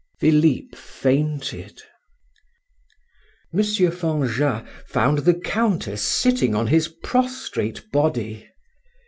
Philip fainted. M. Fanjat found the Countess sitting on his prostrate body.